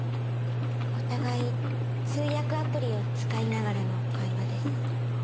お互い通訳アプリを使いながらの会話です。